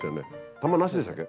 玉なしでしたっけ？